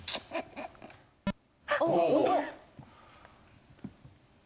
おっ！